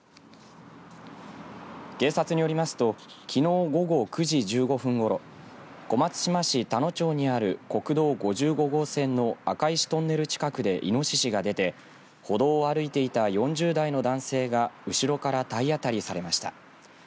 警察によりますときのう午後９時１５分ごろ小松島市田野町にある国道５５号線の赤石トンネル近くでいのししが出て歩道を歩いていた４０代の男性が後ろから体当たりされました。